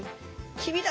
君だ！